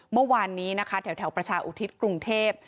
เมื่อวานนี้นะคะแถวประชาอุทิศกรุงเทพ